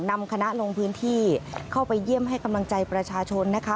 นำคณะลงพื้นที่เข้าไปเยี่ยมให้กำลังใจประชาชนนะคะ